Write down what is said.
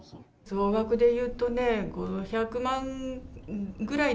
総額で言うとね、５００万ぐらい。